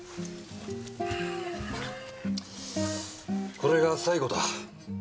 これが最後だ。